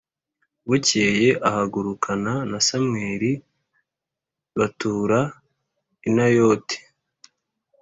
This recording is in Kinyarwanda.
Bukeye ahagurukana na Samweli, batura i Nayoti.